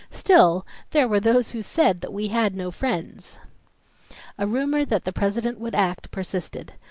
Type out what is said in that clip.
Still there were those who said we had no friends! A rumor that the President would act persisted.